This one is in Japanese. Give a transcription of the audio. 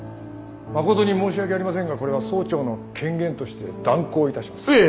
まことに申し訳ありませんがこれは総長の権限として断行いたします。